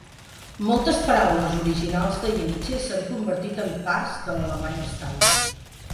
Moltes paraules originals de Yeniche s'han convertit en parts de l'alemany estàndard.